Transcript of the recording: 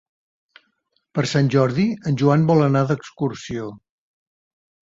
Per Sant Jordi en Joan vol anar d'excursió.